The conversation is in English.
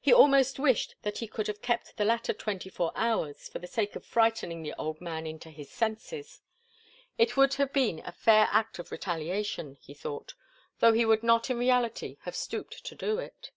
He almost wished that he could have kept the latter twenty four hours for the sake of frightening the old man into his senses. It would have been a fair act of retaliation, he thought, though he would not in reality have stooped to do it.